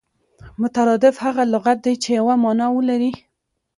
مترادف هغه لغت دئ، چي یوه مانا ولري.